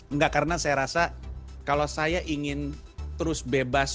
enggak karena saya rasa kalau saya ingin terus bebas